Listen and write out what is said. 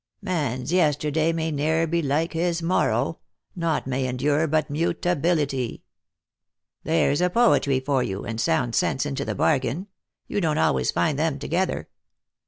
' Man's yesterday may ne'er be like his morrow ', Naught may endure but mutability.' There's poetry for you, and sound sense into the hargain. You don't always find them together."